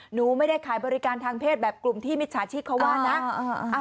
หนูไม่ได้ขายบริการทางเพศแบบกลุ่มที่มิจฉาชีพเขาว่านะ